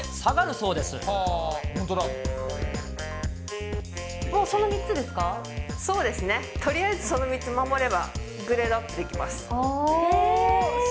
そうですね、とりあえずその３つ守れば、グレードアップできます。